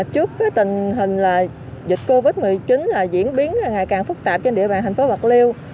trước tình hình dịch covid một mươi chín diễn biến ngày càng phức tạp trên địa bàn thành phố bạc liêu